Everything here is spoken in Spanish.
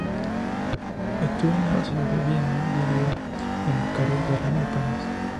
Estudió en la universidad de Viena, vivió en Bucarest, Berlín y París.